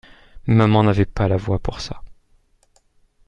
Maman n'avait pas la voix pour ça.